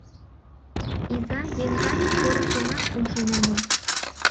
Иза-еҥган порыжымат ужын омыл.